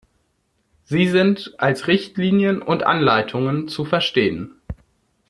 Sie sind als Richtlinien und Anleitungen zu verstehen.